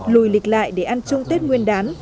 lùi lịch lại để ăn chung tết nguyên đán